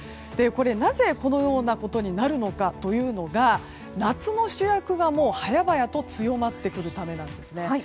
なぜこのようなことになるのかというのが夏の主役が、早々と強まってくるためなんですね。